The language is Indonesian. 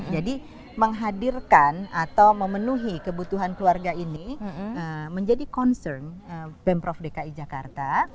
menghadirkan atau memenuhi kebutuhan keluarga ini menjadi concern pemprov dki jakarta